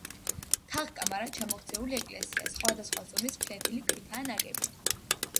თაღ-კამარა ჩამოქცეული ეკლესია სხვადასხვა ზომის ფლეთილი ქვითაა ნაგები.